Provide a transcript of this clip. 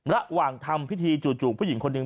ระหว่างทำพิธีจู่ผู้หญิงคนหนึ่ง